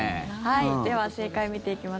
では、正解を見ていきます